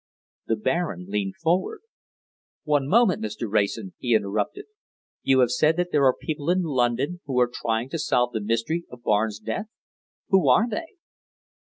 The Baron leaned forward. "One moment, Mr. Wrayson," he interrupted. "You have said that there are people in London who are trying to solve the mystery of Barnes' death. Who are they?"